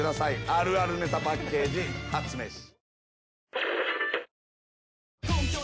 あるあるネタパッケージ発明史。